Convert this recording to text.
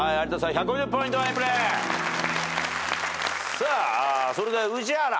さあそれでは宇治原。